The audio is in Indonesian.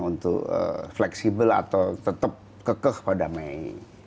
untuk fleksibel atau tetap kekeh pada mei